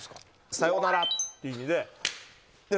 さようならっていう意味で。